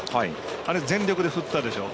あれ、全力で振ったでしょ。